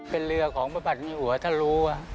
เป็นเรือของประบัตินิหัวท่านรู้ว่า